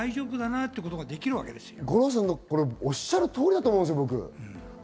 五郎さんのおっしゃっる通りだと思うんですよ。